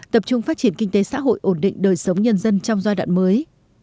tập trung phát triển kinh tế xã hội ổn định đời sống nhân dân trong giai đoạn mới